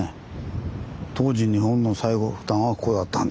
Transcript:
当時日本の最北端はここだったんですよね。